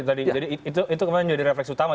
jadi itu kemudian menjadi refleksi utama